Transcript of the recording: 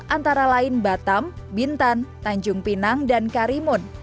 antara lain batam bintan tanjung pinang dan karimun